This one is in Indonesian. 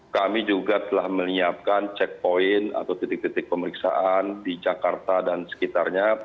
kami juga telah menyiapkan checkpoint atau titik titik pemeriksaan di jakarta dan sekitarnya